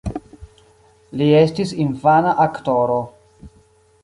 Li estis infana aktoro.